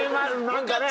何かね。